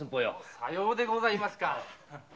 さようでございますか。